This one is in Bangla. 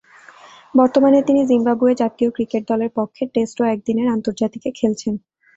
বর্তমানে তিনি জিম্বাবুয়ে জাতীয় ক্রিকেট দলের পক্ষে টেস্ট ও একদিনের আন্তর্জাতিকে খেলছেন।